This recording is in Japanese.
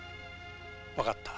分かった。